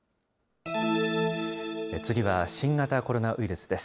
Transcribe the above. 次は新型コロナウイルスです。